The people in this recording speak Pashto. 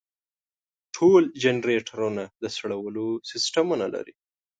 ټول جنریټرونه د سړولو سیستمونه لري.